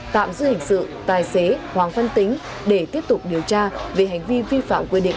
tạm giữ hình sự tài xế hoàng phân tính để tiếp tục điều tra về hành vi vi phạm quy định